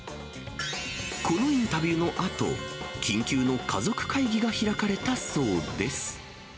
このインタビューのあと、緊急の家族会議が開かれたそうです。